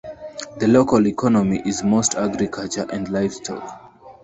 The local economy is mostly agriculture and livestock.